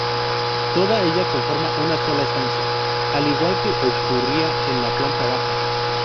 Toda ella conforma una sola estancia, al igual que ocurría en la planta baja.